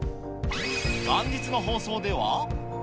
元日の放送では。